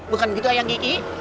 bukan gitu ayang kiki